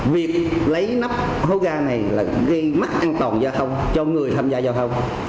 việc lấy nắp hố ga này là gây mất an toàn giao thông cho người tham gia giao thông